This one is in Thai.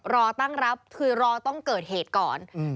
รอตั้งรับคือรอต้องเกิดเหตุก่อนถึงจะมาค่อยหาว่า